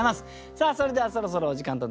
さあそれではそろそろお時間となりました。